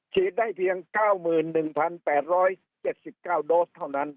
ฉีดได้เพียงเก้าหมื่นหนึ่งพันแปดร้อยเจ็ดสิบเก้าโดสเท่านั้น